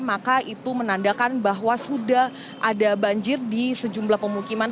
maka itu menandakan bahwa sudah ada banjir di sejumlah pemukiman